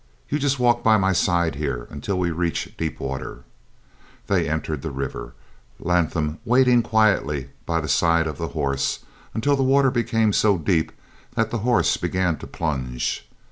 You just walk by my side here until we reach deep water." They entered the river. Latham wading quietly by the side of the horse, until the water became so deep the horse began to plunge.